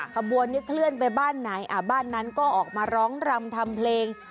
ขบวนนี้เคลื่อนไปบ้านไหนบ้านนั้นก็ออกมาร้องรำทำเพลง